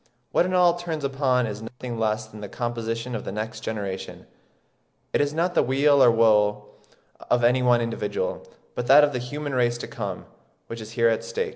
What it all turns upon is nothing less than the composition of the next generation...It is not the weal or woe of any one individual, but that of the human race to come, which is here at stake."